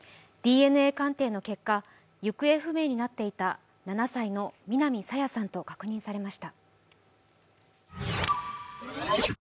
ＤＮＡ鑑定の結果行方不明になっていた７歳の南朝芽さんと確認されました。